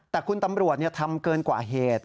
แต่คุณตำรวจทำเกินกว่าเหตุ